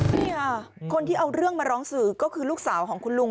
นี่ค่ะคนที่เอาเรื่องมาร้องสื่อก็คือลูกสาวของคุณลุง